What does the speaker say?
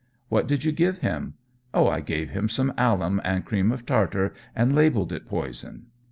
'What did you give him?' 'Oh, I gave him some alum and cream of tartar and labelled it poison.'